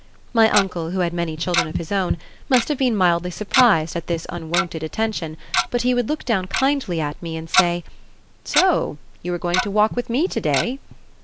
My uncle, who had many children of his own, must have been mildly surprised at this unwonted attention, but he would look down kindly at me, and say, "So you are going to walk with me to day?"